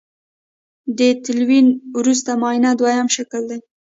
د تلوین وروسته معاینه دویم شکل دی.